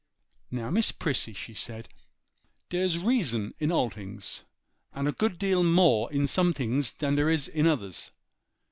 'Now, Miss Prissy,' she said, 'der's reason in all things; and a good deal more in some things dan der is in others.